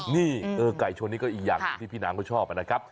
นี่เออไก่ชนนี่ก็อีกอย่างที่พี่น้ำก็ชอบนะครับ